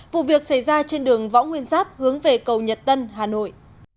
vụ việc xảy ra trên đường võ nguyên giáp hướng về cầu nhật tân hà nội